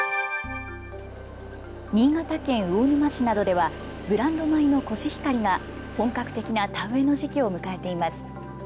新潟県魚沼市などではブランド米のコシヒカリが本格的な田植えの時期を迎えています。